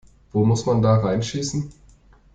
Wo muss man da reinschießen?